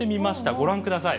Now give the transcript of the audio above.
ご覧ください。